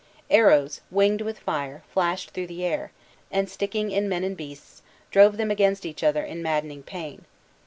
Arrows, winged with fire, flashed through the air; and sticking in men and beasts, drove them against each other in maddening pain.